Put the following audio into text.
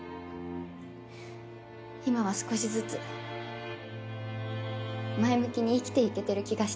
今は少しずつ前向きに生きていけてる気がしてるから。